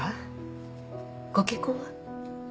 ご結婚は？